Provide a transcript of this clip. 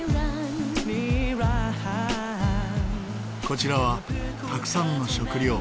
こちらはたくさんの食料。